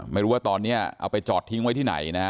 ไม่รู้ว่าตอนนี้เอาไปจอดทิ้งไว้ที่ไหนนะฮะ